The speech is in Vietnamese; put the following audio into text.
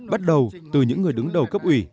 bắt đầu từ những người đứng đầu cấp ủy